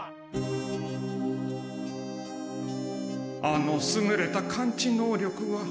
あのすぐれた感知能力は。